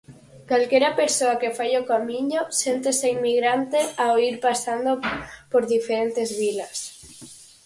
Calquera persoa que fai o Camiño séntese inmigrante ao ir pasando por diferentes vilas.